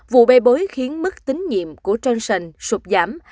vụ bê bối khiến mức tính nhiệm của johnson sụp giảm